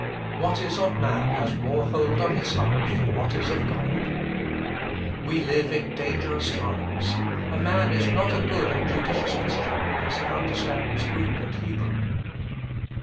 What is of man has more hold on his heart than what is of God. We live in dangerous times. A man is not a good and judicious Christian because he understands Greek and Hebrew.